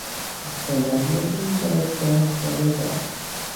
از صلاحیت این دادگاه خارج است.